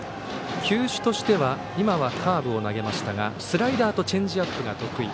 球種としては今、カーブを投げましたがスライダーとチェンジアップが得意。